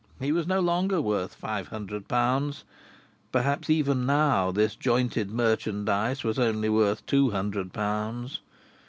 He was no longer worth five hundred pounds. Perhaps even now this jointed merchandise was only worth two hundred pounds!